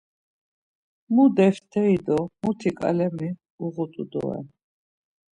Mu defteri do muti ǩalemi uğut̆u doren.